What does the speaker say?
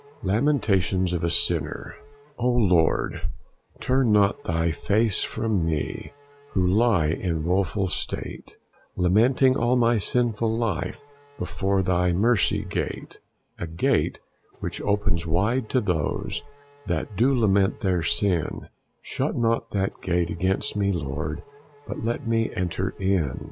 THE LAMENTATIONS OF A SINNER. O Lord, turn not thy face from me, Who lie in woeful state, Lamenting all my sinful life Before thy mercy gate; A gate which opens wide to those That do lament their sin: Shut not that gate against me, Lord, But let me enter in.